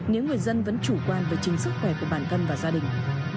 nếu người dân vẫn chủ quan về chính sức khỏe của bản thân và gia đình